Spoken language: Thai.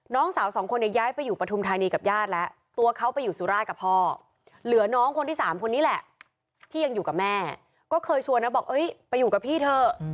น้องสาวสองคนเนี่ยย้ายไปอยู่ปฐุมธานีกับญาติแล้วตัวเขาไปอยู่สุราชกับพ่อเหลือน้องคนที่สามคนนี้แหละที่ยังอยู่กับแม่ก็เคยชวนนะบอกไปอยู่กับพี่เถอะ